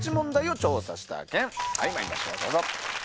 まいりましょうどうぞ。